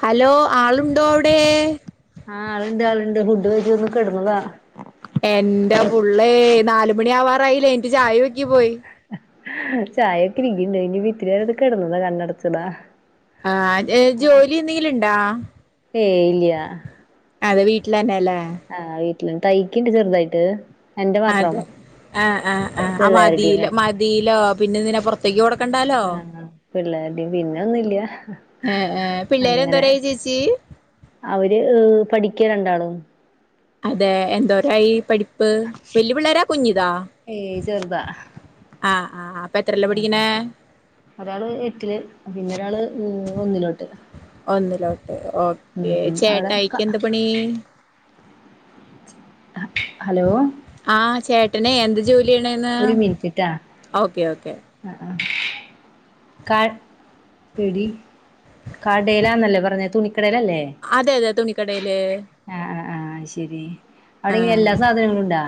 Hello ആളുണ്ടോ അവിടെ ആഹ് ആള്ണ്ട് ആള്ണ്ട് ഫുഡ് കഴിച്ച് വന്ന് കിടന്നതാ എന്റെ പുള്ളേ നാലുമണിയാവാറായില്ലേ എൻറ്റു ചായ വെക്കി പോയി ചായൊക്കെ [unintelligible] ഇനി ഇത്തിരിനേരൊന്ന് കിടന്നതാ കണ്ണടച്ചതാ ആഹ് അതെ ജോലി എന്തെങ്കിലുണ്ടാ ഏയ് ഇല്ല അതെ വീട്ടിലെന്നെയല്ലേ ആഹ് വീട്ടില തൈക്കിണ്ട് ചെറുതായിട്ട് എന്റെ മാത്രം അതെ ആഹ് ആഹ് ആഹ് ആഹ് പിള്ളേരുടേം മതീലൊ മതീലോ പിന്നെന്തിനാ പുറത്തേക്ക് കൊടുക്കണ്ടല്ലോ ആഹ് പിള്ളേരുടേം പിന്നൊന്നില്ല ഏഹ് ഏഹ് പിള്ളേരൊന്തോരായി ചേച്ചി അവര് ഏഹ് പഠിക്ക രണ്ടാളും അതെ എന്തോരായി പഠിപ്പ് വെല്ലുപിള്ളേരാ കുഞ്ഞിതാ ഏയ് ചെറുതാ ആഹ് ആഹ് ആഹ് ഒരാള് എട്ടില് പിന്നൊരാള് ഏഹ് ഒന്നിലോട്ട്. ഒന്നിലോട്ട് ഓക്കേ ഉം അവിടെ ചേട്ടായിക്ക് എന്ത് പണി ഹലോ ആഹ് ചേട്ടനെ എന്ത് ജോ ഒരു മിൻറ്റിട്ടാ ഓക്കെ ആഹ് ക്ക എടി കടയിലാന്നല്ലേ പറഞ്ഞെ തുണിക്കടയിലല്ലേ അതെ അതെ തുണിക്കടയില് ആഹ് ആഹ് ആഹ് അയ്ശരി അവിടെങ്ങനെ എല്ലാ സാധനങ്ങളുണ്ടാ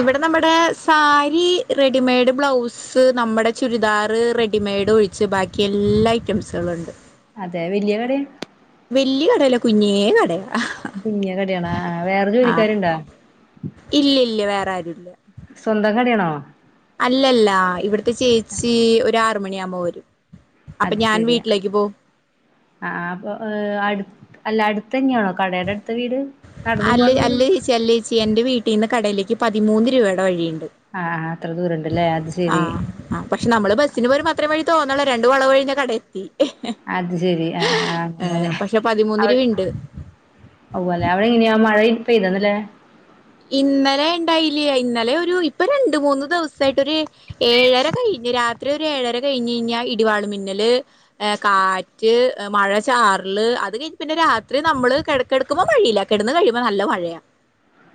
ഇവിടെ നമ്മടെ സാരി റെഡിമെയ്ഡ് ബ്ലൗസ് സ് നമ്മടെ ചുരിദാറ് റെഡിമെയ്ഡ് ഒഴിച്ച് ബാക്കി എല്ലാ ഐറ്റംസുകള്ണ്ട്. അതെ വല്ല്യാ കടയാ വല്ല്യ കടല്ല കുഞ്ഞേ കടയാ. കുഞ്ഞി കടയാണ ആഹ് വേറെ ആഹ് ജോലിക്കാര്ണ്ട ഇല്ല ഇല്ല വേറെ ആരുല്ല. സ്വന്തം കടയാണോ? അല്ലല്ല ഇവിട്ത്തെ ചേച്ചി ഒരു ആറുമണിയാവുമ്പോ വരും. അപ്പൊ അത് ഞാൻ ശരിയാ. വീട്ടിലേക്ക് പോവും ആഹ് ആ അപ്പൊ ഏഹ് അടു അല്ല അടുത്തന്നെയാണോ കടയുടെ അടുത്ത വീട്? നടന്നു അല്ലയ് പോവാനുള്ള ദൂരം അല്ലേച്ചി അല്ലേച്ചി എന്റെ വീട്ടിന്ന് കടയിലേക്ക് പതിമൂന്ന് രൂപയുടെ വഴിയുണ്ട്. ആഹ് അത്ര ദൂരണ്ട്ല്ലേ അത് ശെരി. ആഹ് ആഹ് പക്ഷെ നമ്മള് ബസിന് പോരുമ്പോ അത്ര വഴി തോന്നില്ല രണ്ട് വളവഴിഞ്ഞാ കട എത്തി. അത് ശെരി ആഹ് ആഹ് അങ്ങനെ ഏഹ് പക്ഷെ പതിമൂന്ന് അവി രൂപയുണ്ട് ഉവ്വല്ലെ അവിടെ എങ്ങനെയാ മഴ പെയ്തോ ഇന്നലേ? ഇന്നലെ ഇണ്ടായില്ല ഇന്നലെ ഒരു ഇപ്പൊ രണ്ട് മൂന്ന് ദിവസായിട്ടൊരു ഏഴര കഴിഞ്ഞ് രാ ത്രി ഒരു ഏഴര കഴിഞ്ഞയ്ഞ്ഞാ ഇടിവാള് മിന്നല് ഏഹ് കാറ്റ്, മഴ ചാർല്, അത് കഴിഞ്ഞ് പിന്നെ രാത്രി നമ്മള് കിടക്കിട ക്കുമ്പോ മഴയില്ല കിടന്നു കഴിയുമ്പോ നല്ല മഴയാ.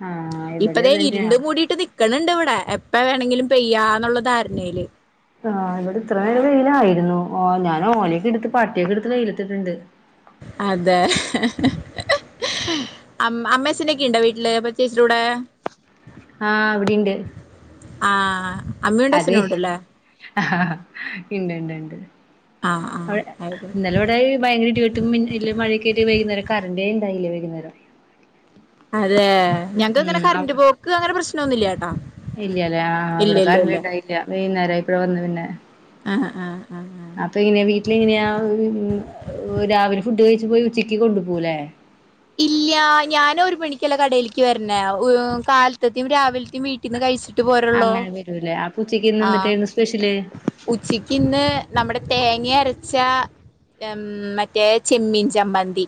ആഹ് ഇവിടെ ഇപ്പദേ അത് തന്നെയാ ഇരുണ്ടു മൂടിട്ട് നിക്ക്ണ് ഇണ്ട് ഇവിടെ എപ്പ വേണങ്കിലും പെയ്യാന്നുള്ള ധാരണയില്. ആഹ് ഇവിടെ ഇത്രേരം വെയിലായിരുന്നു ആ ഞാന് ഓലയൊക്കെ എടുത്ത് പാട്ടിയൊക്കെ എടുത്ത് വെയിലെത്തിട്ട്ണ്ട്. അതെ അമ് അമ്മേ ച്ഛനുക്കെണ്ടോ വീട്ടില് പ്പം ചേച്ചിടെ കൂടെ? ആഹ് വിടെണ്ട്. ആഹ് അമ്മയുണ്ട് അതെ അച്ഛനും ഉണ്ടല്ലേ ഹ ആഹ് ഇണ്ട് ണ്ട് ണ്ട്. ആഹ് ആഹ് അവ് ആയിക്കോട്ടെ ഇന്നലെവടെ ഭയങ്കര ഇടി വെ ട്ടും മിന്ന ഇടി മഴയൊക്കായിട്ട് വൈകുന്നേരം കറണ്ടേ ഇണ്ടായില്യ വൈകുന്നേരം. അതെ. ഞങ്ങ്ക്ക് അങ്ങനെ ഉം കറണ്ട് പോക്ക് അങ്ങനെ പ്രശ്നൊന്നുല്യാ ട്ടൊ. ഇല്യലെ ആഹ് വിടെ കരണ്ട്ണ്ടായില്യ. വൈകുന്നേരായപ്പഴാ വന്ന് പിന്നെ. ആഹ് ആഹ് ആഹ് ആഹ് അപ്പൊ എങ്ങനെ വീ വീട്ടിലെങ്ങനെയാ രാവിലെ ഫുഡ് കഴിച്ച്പോയി ഉച്ചക്ക് കൊണ്ടുപോകു ലെ. ഇല്യ. ഞാന് ഒരു മണിക്കല്ലേ കടയിൽക്ക് വര്ണേ. ഉ ഹ് കാൽത്തതിം രാവിൽത്തിം വീ ട്ടിന്ന് കഴിച്ചിട്ട് പോരാ അങ്ങനെ വരൂല്ലേ? അപ്പൊ ഉച്ചക്ക് ഇന്ന് എന്തിട്ടായിരുന്നു സ്പെഷ്യല്? ഉച്ചക്കിന്ന് നമ്മുടെ തേങ്ങ്യരച്ച മ് മറ്റേ ചെമ്മീൻ ചമ്മന്തി.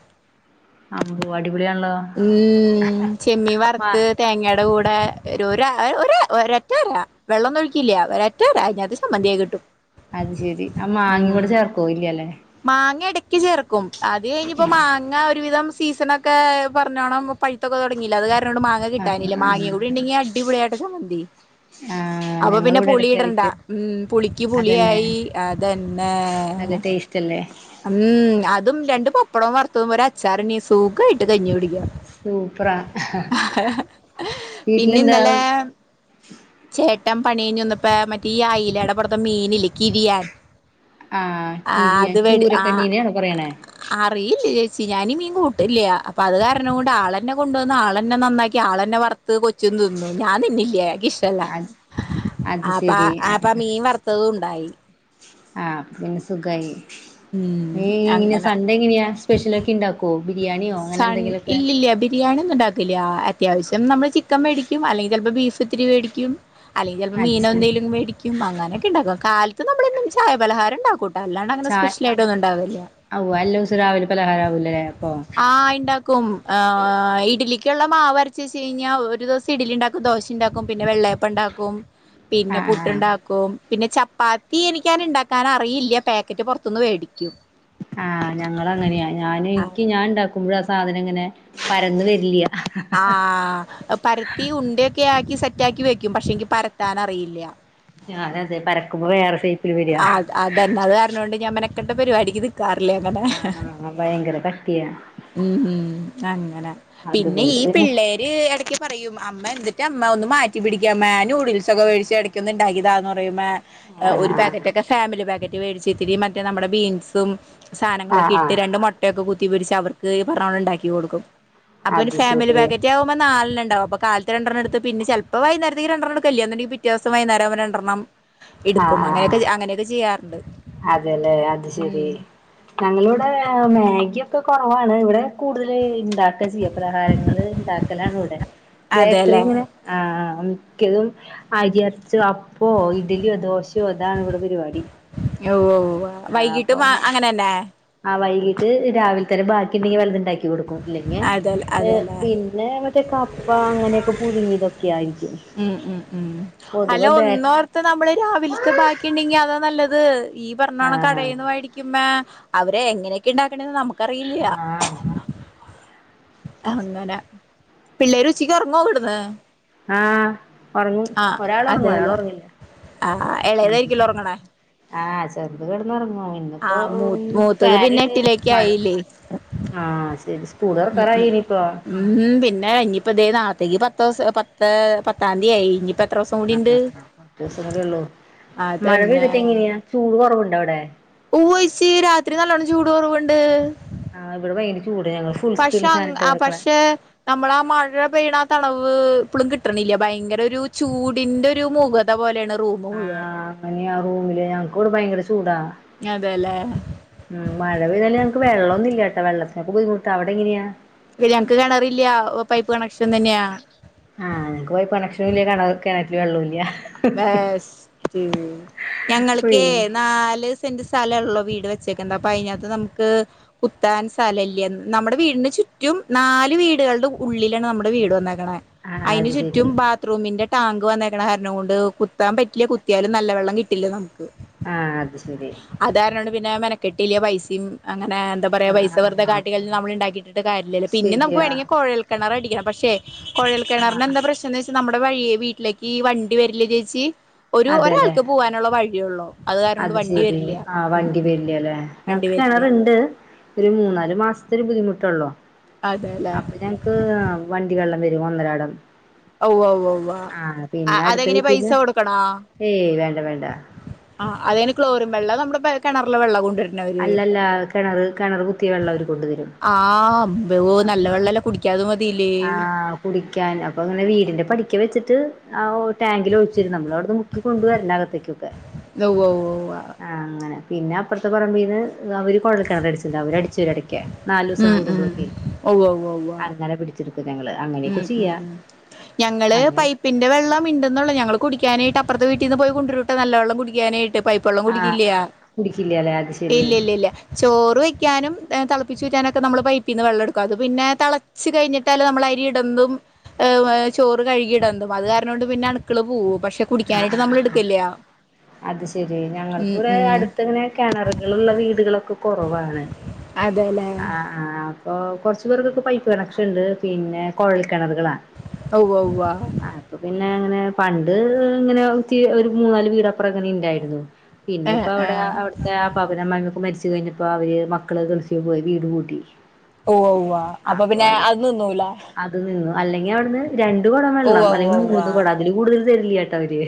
അമ്പോ അടിപൊളിയാണല്ലോ. ഉം ചെമ്മീൻ വറ്ത്ത് തേങ്ങടെ കൂടെ ഒരു ഒര ഒരറ്റര വെള്ളംന്നും ഒഴിക്കില്യ. ഒര ഒറ്റര അയിന്റാത് ചമ്മന്ത്യയി കിട്ടും. അത് ശെരി ആ ഉം മാങ്ങിംകൂടെ ചേർക്കോ? ഇല്യ ലെ? മാങ്ങ ഇടക്ക് ചേർക്കും. അത് ഴിഞ്ഞിപ്പോ മാങ്ങ ഒരുവിധം സീസണൊക്കെ പറഞ്ഞോണം പയ്ത്തൊക്കെ തൊടങ്ങില്ലേ. അത് കാരണംഓട്ന്ന് മാങ്ങ ആഹ് കിട്ടാനില്ല. ആഹ് മാങ്ങ കൂടി ആഹ് ണ്ടെങ്കി അടിപൊളിയായിട്ടാ ചമ്മന്തി. ആഹ് അപ്പൊ പിന്നെ ഞങ്ങളിവിടെ പുളി എടക്ക് ഇടണ്ട. കഴിക്കും ഉം പുളിക്ക് അതന്നെ പുളിയായി അതന്നെ. നല്ല ടേസ്റ്റ്ല്ലേ. ഉം അതും രണ്ട് പപ്പടം വറ്ത്തതും ഒരച്ചാറുണ്ടീ സുഖായിട്ട് കഞ്ഞി കുടിക്കാം. സൂപ്പറാ ഹ ഹ പിന്നി വീട്ടിലെന്താ ന്നലേ ചേട്ടൻ പണി കഴിഞ്ഞ് വന്നപ്പ മറ്റേ ഈ ആയിലടെ പൊടത്തെ മീനില്ലേ കിരിയാൻ ആഹ് ആ കിവിയൻ അത് വേടി ആ ചൂരക്കെണ്ണീനെണോ പറയണേ അറിയില്ല ചേച്ചി ഞാനീ മീൻ കൂട്ടല്യ. അപ്പൊ അത് കാരണം കൊണ്ട് ആളെന്നെ കൊണ്ടോന്ന് ആളെന്നെ നന്നാക്കി ക്കി ആളന്നെ വറത്ത് കൊച്ചും തിന്നു ഞാൻതിന്നില്ല. ഇക്കിഷ് ല്ല. അത് അത് ആപ്പ ശെരി ആപ്പ ആഹ് മീൻ വറുത്തതുണ്ടായി. ആഹ് പിന്നെ സുഖായി. ഉം ഈങ്ങ്യനെ അങ്ങനെ സൺണ്ടേ ങ്ങന്യാ. സ്പെഷ്യലൊക്കെ ഇണ്ടാക്കോ? കോ ബിരിയാണിയോ അങ്ങനെ ന്തെങ്കിലൊക്കെ? ബിരിയാണിന്നും ണ്ടാക്കല്യ. അത്യാവശ്യം നമ്മള് ചിക്കൻ മേടിക്കും അല്ലെങ്കിൽ ചെലപ്പോ ബീഫ് ത്തിരി മേടിക്കും. അല്ലെങ്കി ചിലപ്പോ അത് മീനോ ശെരി എന്തങ്കിലും മേടിക്കും അങ്ങനൊക്കെ ണ്ടാക്കും. കാലത്ത് നമ്മളെന്നും ചായപലഹാരം ണ്ടാക്കൂ അല്ലാണ്ട് അങ്ങനെ ചാ സ്പെഷ്യലായിട്ട് ഒന്നുംണ്ടാവല്യ. ഔ എല്ലാസും രാവിലെ പലഹാര വൂല്ലേ അപ്പൊ ആഹ് ഇണ്ടാക്കും. ഇഡ്ലിക്കുള്ള മാവ്‌ അരച് വെച്ച് കഴിഞ്ഞാ ഒരു ദിവസം ഇഡ്ലിണ്ടാക്കും ദോശണ്ടാക്കും പിന്നെ വെള്ളേപ്പംണ്ടാക്കും. പിന്നെ ആഹ് ആഹ് ആഹ് പുട്ടുണ്ടാക്കും. പിന്നെ ചപ്പാ ത്തി എനിക്ക്ണ്ടാക്കാന റിയില്ല. പാക്കറ്റ് പൊറത്തിന്ന് വേടിക്കും. ആഹ് ഞങ്ങള് അങ്ങന്യാ. ഞാന് ഇക്കി ഞാൻ ണ്ടാക്കുമ്പോഴ ആ സാധനം ങ്ങനെ പരന്ന് വരില്യ. ആഹ് പരത്തി ഉണ്ടയൊക്കെ ആക്കി സെറ്റാക്കി വെക്കും. പക്ഷെ എനിക്ക് പരത്താൻ അറിയില്യ. അതെ അതെ പരക്കുമ്പോ വേറെ സൈ ആഹ് അതന്നെ അത് കാരണം കൊണ്ട് ഞാ മേനെക്കട്ട പരിപാടിക്ക് നിക്കാറില്യ ങ്ങനെ ഭയങ്കരകട്ടിയാ ഉം ഉം അങ്ങനെ പിന്നെ ഈ പിള്ളേര് ഇടയ്ക്ക് പറയും അമ്മ എന്നിട്ട് അമ്മ ഒന്ന് മാറ്റി പിടിക്ക അമ്മേ നൂഡിൽസിഒക്കെ മേടിച്ച് എടക്ക് ഒന്ന്ണ്ടാക്കിതാന്ന്പറ പറയ്പ ഒരു ആഹ് പാക്കറ്റ് ഒക്കെ ഫാമിലി പാക്കറ്റ് മേടിച്ച് ഇത്തിരി മറ്റേ നമ്മടെ ബീൻസും ആഹ് സാധനങ്ങളൊക്കെ ഇട്ട് ആഹ് രണ്ട് മൊട്ടയൊക്കെ കുത്തി പിരിച്ച് അവർക്ക് ഈ പറഞ്ഞ പോലെഉണ്ടാക്കി കൊടുക്കും. അത് ശരി അപ്പൊരുഫാമിലിപേകറ്റ് മ്മ നാലണ്ണ്ടാവും അപ്പ കാലത്ത് രണ്ടെണ്ണംടു പിന്നെ ചെലപ്പോ വൈന്നാരത്തേക്‌ രണ്ടെണ്ണം എടുക്ക ഇലന്നുണ്ടെങ്കി പിറ്റേ ദിവസം വൈന്നാരാകുമ്പോ രണ്ടെണ്ണം - ആഹ് ആഹ് ആഹ് അതെല്ലേ അത് ശരി ഉം ഞങ്ങള ഇവിടെ മാഗി ഒക്കെ കൊറവാണ് ഇവിടെ കൂടുതൽ ഇണ്ടാക്ക ചെയ്യ പലഹാരങ്ങ ഉണ്ടാക്കലാണ് ഇവിടെ ബേക്കറി അതെല്ലേ ഇങ്ങനെ ആഹ് ആഹ് മിക്കതും അരി അരച്ച് അപ്പോ ഇഡ്ലിയോ ദോഷയോ അതാണ് ഇവിടെ പരിപാടി ഓ ഓ ആ അപ്പൊ [unintelligible] ആ വൈകീട്ട് രാവിലെ തന്നെ ബാക്കി ഉണ്ടെങ്കിൽ വല്ലതു ഉണ്ടാക്കി കൊടുക്കും ഇല്ലെങ്കെ അതെ ഏഹ് അതെല്ലേ പിന്നെ മറ്റേ കപ്പ അങ്ങനെയൊക്കെ പുഴുങ്ങിയതൊക്കെ ആയിരിക്കും ഉം ഉം ഉം അലോ പൊതുവെ ബേ ഒന്നോ നമ്മള് രാവിലത്തെ ബാക്കിണ്ടെങ്കി അതാ നല്ലത് ഈ ആ പറഞ്ഞോണം കടയിൽന്ന് മേ മ്മേഅവരെ എങ്ങനെയൊക്കെ ഉണ്ടാക്കണതന്ന് ആ നമുക്ക്റിയില്ല. അങ്ങനെ പിള്ളേര് ഉച്ചക്ക് ഉറങ്ങോ അവ്ട്ന്ന്? ആഹ് ഒറങ്ങു ഒരാൾ ഒറങ്ങും ഒരാൾ അതെല്ലെ ഒറങ്ങില്ല ആഹ് ഉ ഇളയതായിരിക്കല്ലോ ഉറങ്ങണേ ആഹ് ചെറുത് കിടന്ന ഒറങ്ങു ഇന്നിപ്പോ ആഹ് മൂ മൂത്തത് പിന്നെ എട്ടിലേക്ക് ഫാന്ട്ട്മഴ ആയില്ലേ ആഹ് ശരി ഉം ഉം സ്കൂളർക്കറായിലെപ്പൊ ഉം പിന്നെ ഇനിയിപ്പ ഇതേ നാളത്തേക്ക് പത്ത് ദിവസ പത്ത് പത്താം തീയതിയായി ഇനിപ്പ കുറച്ചു ദിവസം കൂടി ഒള്ളൂ മഴ പെയ്തിട്ട് അതന്നെ എങ്ങനെയാ ചൂട് കൊറവുണ്ടോ അവിടെ? ഉവ്വ്‌ യേചിരാത്രി നല്ലോണ്ണം ചൂട് കൊറവുണ്ട് ആ ഇവിടെ ഭയര ചൂട് ഞങ്ങള് ഫുൾ സ്പീഡ്ല് അങ് ഫാനിട്ട് ആ കെടക്കണ പക്ഷെ നമ്മള ആ മഴ പെയ്യുന്ന ആ തണവ് ഇപ്പഴും കിട്ടണില്ല ഭയങ്കര ഒരു ചൂടിന്റെ ഒരു മുഖ അതപോലെയാണ് റൂം മുഴുവൻ ആ റൂമില് ഞങ്ങൾക്ക് ഇവിടെഭയങ്കര ചൂടാ അതെല്ലേ? മഴ പെയ്താലുംഞങ്ങക്ക് വള്ളൊന്നില്ലട്ടോ വെള്ളത്തിനൊക്കെ ബുദ്ധിമുട്ട അവിടെ എങ്ങനെയാ പിന്നെ ഞങ്ങക്ക് കെണറില്ല പൈപ്പ് കണക്ഷൻ തന്നെയാ ആഹ് ഞങ്ങക്ക് പൈപ്പ് കണക്ഷനുംല്ല കണ കിണറ്റിൽ വെള്ളല്ല ബസ് ഞങ്ങൾക്ക് പിന്നെ നാല് സെന്റ് സ്ഥലം ഉള്ളു വീട് വെച്ചേക്കണ്ട് അപ്പൊ അതിനകത്ത് നമക്ക് കുത്താൻ സ്ഥലല്ല നമ്മടെ വീടിന് ചുറ്റും നാല് വീടുകളുടെ ഉള്ളിലാണ് നമ്മടെ വീട് വന്നാക്കണെ ആഹ് അതിനു അത് ശരി ചുറ്റും ബാത്റൂമിന്റെ ടാങ്ക് വന്നേക്ണ കാരണം കൊണ്ട്കുത്ത് കുത്താൻ പറ്റില്ല കുത്തിയാലും നല്ല വെള്ളം കിട്ടില്ല നമക്ക് ആഹ് അത് ശരി അത് കാരണംണ്ട് പിന്നെ മെനക്കെട്ടില പൈസിം അങ്ങനെ എന്താ പറയാ ആഹ് പൈസ ആഹ് ആഹ് വറുതെ ആഹ് കാട്ടൾ നമ്മ ഇ ണ്ടാക്കിയിട്ട്ട്ട് കാര്യല്ലല്ലോ പിന്നെ നമുക്ക്‌ ശരിയാ വേണെങ്കി കോഴൽക്കിണർ അടിക്കണം പക്ഷെ കൊഴൽ കിണറിന് ആഹ് എന്താ പ്രശ്നം എന്ന് വെച്ചാ നമ്മുടെ വഴിയെ വീട്ടിലേക്ക് ഈ വണ്ടി വരില ചേച്ചി ഒരു അതെല്ലേ ഒരാൾക്ക് പോവാനുള്ള വഴിയള്ളൂ അത് ശെരി ആഹ് വണ്ടി വരില്ലല്ലേ വണ്ടി ഞങ്ങക്ക് വരില്ല കെണറുണ്ട് ഒരു മൂന്നാല് മാസത്തെ ഒരു ബുദ്ധിമുട്ടുള്ളോ അതെല്ലേ അപ്പൊ ഞങ്ങക് ക്ക് വണ്ടി വെള്ളം വരും ഒന്നരാടം ഔവ വവ്വ ആഹ് പിന്നെ അടുത്ത അതെങ്ങനെ പൈസ വീട്ടീന്ന് കൊടുക്കണോ ഏയ് വേണ്ട വേണ്ട ആഹ് അതിന് ക്ലോറിങ് വെള്ള നമ്മുടെ പെ കെണർലെ വെള്ളവുണ്ട് അല്ലല്ല കെണറ് കെണർ കുത്തിയ വെള്ളം അവര് കൊണ്ടു തരും ആഹ് അമ്പോ നല്ല അപ്പൊ വെള്ളല്ലെ കുടിക്കാത് മതില്ലേ ആ കുടിക്കാൻ അപ്പൊ ഇങ്ങനെ വീടിന്റെ പടിക്ക വെച്ചിട്ട് ആഓ ടാങ്കിൽ ഒഴിചേരും നമ്മളോടെ അത് മുക്കി ക്കൊണ്ടുവരണ്ട അകത്തേക്കൊക്കെ ഉവ്വ് ഉവ്വ് ഉവ്വ് ആഹ് അങ്ങനെ പിന്ന അപ്പർത്തെ പറമ്പീന്ന് അവര് കുഴൽ കിണർ അടിച്ചിണ്ട് അവര് അടിചേരും ഇടയ്ക്കെ നാലൂസം കൂടുമ്പഴൊക്കെ ഉവ്വ് ഉവ്വ് ഉവ്വ് അങ്ങരെ പിടിച്ചടുക്കും ഞങ്ങള് ഉം അങ്ങനെയൊക്കെ ഉം ചെയ്യാ ഉം ഞങ്ങള് അങ്ങനെ പൈപ് പിന്റെ വെള്ളം ഉണ്ടെന്നുള്ള ഞങ്ങള് കുടിക്കാനായിട്ട് അപ്പറത്തെ വീട്ടിൽന്ന് പോയി കൊണ്ടരു ട്ടൊ നല്ല വെള്ളം കുടിക്കാനായി ട്ട് പൈപ്പെള്ളം ആ കുടിക്കില്ല കുടിക്കില്ലല്ലേ അത് ശരി ഇല്ല ഇല്ല ഇല്ല ചോറ് വെയ്ക്കാനും തെളപ്പിച്ചുറ്റാനൊക്കെ നമ്മള് പൈപ്പിൽ നിന്ന് വെള്ളം എടുക്കും അത് പിന്നെ തളച്ച് കയ്ഞ്ഞിട്ടല്ലെ നമ്മളഅയ് അരീടുമ്പം ഏ വെ ചോർ കഴുകിയിടും അത് കാരണോണ്ട് പിന്നെ അണുക്കൾ പോവും പക്ഷെ ആ കുടിക്കാനായിട്ട് ആ നമ്മൾ ആ എടുക്കില്ല അത് ശരി ഉം ഞങ്ങൾക്ക്വിടെ ഉം അടുത്ത്ങ്ങനെ കെണറുകളുള്ള വീടുകളൊക്കെ കൊറവാണ് അതെലേ ആഹ് അപ്പൊ കൊറച്ചു പേർക്കൊക്കെ പൈപ്പ് കണക്ഷൻ ഇണ്ട് പിന്നെ കൊഴൽ കിണറുകളാ ഉവ്വ് ഉവ്വ് ഉവ്വ അപ്പൊ പിന്നെ അങ്ങനെ പണ്ട് ഇങ്ങനെ ഒത്തി ഒരു മൂന്നാല് വീടപ്പറം ഇങ്ങനെ ഇണ്ടായിരുന്നു പിന്നെ ഏഹ് ഇപ്പോ അവിടെ ഏഹ് അവിടുത്തെ ആപ്പാപ്പനമ്മക്കൊക്കെ മരിച്ചു കഴിഞ്ഞപ്പോ അവര് മക്കള് ഗൾഫി ഫി പോയി വീട്പൂട്ടി ഉവ്വു ഉവ്വാ അപ്പൊ പിന്നെ അത് നിന്നൂലെ അത് നിന്നു അല്ലെങ്കി അവിടുന്ന് രണ്ട് കുടം ഉവ്വ വെള്ളം ഉവ്വ അല്ലെങ്കി ഉവ്വ മൂന്ന് കുടം അതില് കൂടുതൽ തരിലട്ടോ അവര്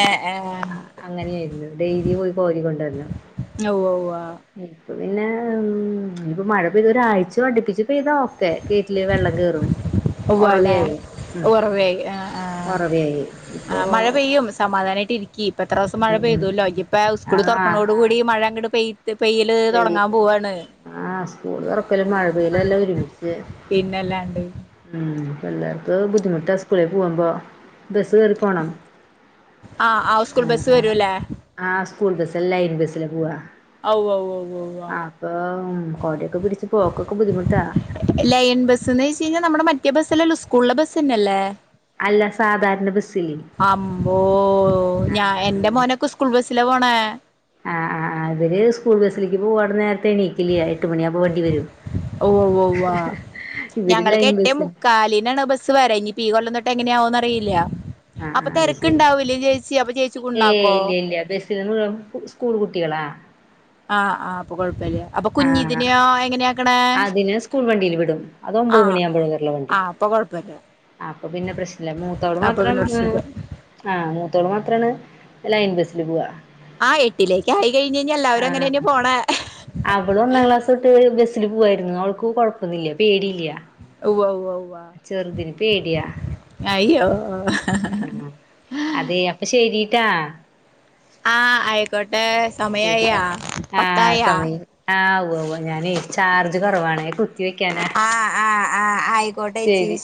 ഏഹ് ആഹ് ഏഹ് അങ്ങനെയിരുന്നു ഡെയിലി പോയി കോരി കൊണ്ടുവരണം ഉവ്വ ഉവ്വ ഇപ്പ പിന്നെ ഇഞ്ഞിപ്പോ മഴ പെയ്ത ഒരാഴ്ച അടിപ്പിച്ച് പെയ്തോഒ ത്തെ കീറ്റില് വെള്ളം കേറും ഉവ്വാല്ലേ ഒറവയാവും ഉം ഉറവായി ആഹ് ഒറവയായി ഇപ്പോ ആഹ് മഴ പെയ്യും സമാധാനമായിട്ട് ഇരിക് ക്കീപെത്രെസം മഴ ഉം പെയ്തുല്ലോ നിപ്പ സ്കൂള് ആഹ് തുറക്കണോട്കൂ ടി മഴ അങ്കട് പെയ് പെയ്യല് തുടങ്ങാ പെയ്ത് പോവാണ്. ആഹ് സ്കൂള് തൊറക്കലും മഴ പെയ്യലും എല്ലാം ഒരുമിച്ച് പിന്നല്ലാണ്ട് ഉം പിള്ളേർക്ക് ബുദ്ധിമുട്ടാ സ്കൂളിൽ പോകുമ്പോ ബസ് കേറി പോണം ആഹ് ആഹ് സ്കൂൾ ബസ്സ് വരൂല്ലേ ആഹ് സ്കൂൾ ബസ്സല്ല ലൈൻ ബസ്സില് പോവാ അവ്വവ്വ വ്വോ ആഹ് അപ്പൊ കൊടയൊക്കെ പിടിച്ച് പോക്കൊക്കെ ബുദ്ധിമുട്ടാ ലൈൻ ബസ് എന്ന് വെച്ചഴിഞ്ഞാ നമ്മുടെ മറ്റേ ബസ്സല്ലല്ലോ സ്കൂൾലെ ബസ്സന്നല്ലേ അല്ല സാധാരണ ബസ്സില് അമ്പോ ഞാ എന്റെ അങ്ങനെ മോനൊക്കെ സ്കൂൾ ബസ്സിലാ പോണെ ആഹ് ആഹ് ആഹ് ഇവര് സ്കൂൾ ബസ്സിലേക്ക് പോവാണ്ട് നേരത്തെ എണീക്കില്ല്യ എട്ട് മണിയാകുമ്പൊ വണ്ടി വരും ഉവ്വ് ഉവ്വ് ഉവ്വാ ഇവര് ഞങ്ങൾക്ക് ലൈൻ എട്ടേ ബസ് മുക്കാലിനാണ് ബസ്സ് വരലി ഈ കൊല്ലം തൊട്ട് എങ്ങന്യാവോന്നറിയില്യ. ആഹ് അപ്പൊ ആഹ് അത് ശരി തെരക്ക്ണ്ടാവൂലേ ചേച്ചി അപ്പൊ ചേച്ചി കുണ്ണാക്കോ ഇരനൂറ് സ്കൂൾ കുട്ടികളാ ആഹ് ആപ്പൊ കൊഴപ്പല്യ. അപ്പൊ ആഹ് കുഞ്ഞിതിന്യോ. എങ്ങനെയ അതിനെ സ്കൂൾ വണ്ടിയില് വിടും. അത് ഒമ്പത് ആഹ് മണിയാവുമ്പഴേ ആഹ് വറൊള്ളു വണ്ടി ആഹ് അപ്പ കൊഴപ്പല്ല്യ അപ്പൊ പിന്നെ പ്രശ്നല്ല മൂത്തോള് മാത്രം ഏഹ് പ്രശ്നല്ല ആഹ് മൂത്തോള് മാത്രാണ് ലൈൻ ബസ്സില് പോവ്വ ആ എട്ടിലേക്ക് ആയി കഴിഞയ്ഞ്ഞ എല്ലാവരും അങ്ങനെയന്നെ പോണെ അവളൊന്നാം ക്ലാസ് തൊട്ട് ബസ്സില് പോവ്വായിരുന്നു. അവൾക്ക് കൊഴപ്പൊന്നില്ല പേടിയില്യ ഉവ്വ ഉവ്വ ഉവ്വ പേടിയാ അയ്യോ അതേ അപ്പ ശരീട്ടാ ആഹ് ഐക്കോട്ടേ സമയായി ആഹ് പത്തായി ആഹ് ആഹ് ഉവ്വ് ഉവ്വ് ഞാനേ ചാർജ് കൊറവാണെ കു ത്തി വെക്കാനാ, ശരി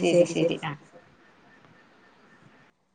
ശരി ശരി ആഹ്